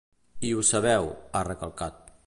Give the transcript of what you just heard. I ho sabeu, ha recalcat.